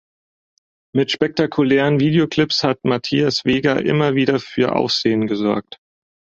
Mit spektakulären Videoclips hat Matthias Weger immer wieder für Aufsehen gesorgt.